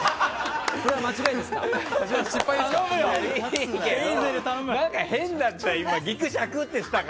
これ、間違いですか？